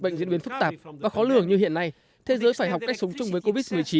bệnh diễn biến phức tạp và khó lường như hiện nay thế giới phải học cách sống chung với covid một mươi chín